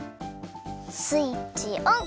スイッチオン！